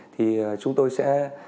thì chúng tôi sẽ